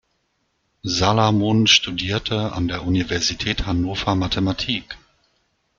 Salamon studierte an der Universität Hannover Mathematik.